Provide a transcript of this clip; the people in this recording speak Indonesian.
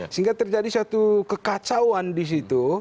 sehingga terjadi satu kekacauan di situ